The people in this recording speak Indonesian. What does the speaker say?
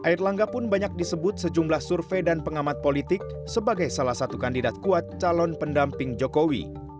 air langga pun banyak disebut sejumlah survei dan pengamat politik sebagai salah satu kandidat kuat calon pendamping jokowi